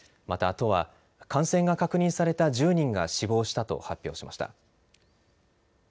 また、都は感染が確認された１０人が死亡したと発表しました。